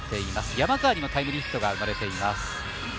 山川にもタイムリーヒットが生まれています。